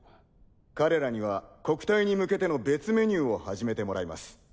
彼らには国体に向けての別メニューを始めてもらいます。